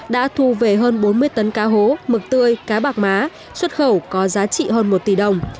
đã thu về hơn bốn mươi tấn cá hố mực tươi cá bạc má xuất khẩu có giá trị hơn một tỷ đồng